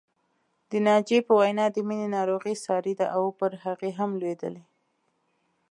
د ناجيې په وینا د مینې ناروغي ساري ده او پر هغې هم لوېدلې